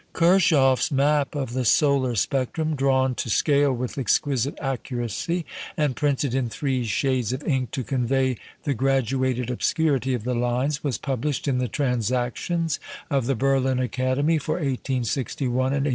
Kirchhoff's map of the solar spectrum, drawn to scale with exquisite accuracy, and printed in three shades of ink to convey the graduated obscurity of the lines, was published in the Transactions of the Berlin Academy for 1861 and 1862.